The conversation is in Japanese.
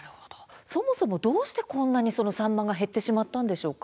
そもそもどうしてこんなにサンマが減ってしまったんでしょうか。